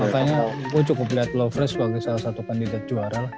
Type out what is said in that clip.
makanya gue cukup liat lufre sebagai salah satu kandidat juara lah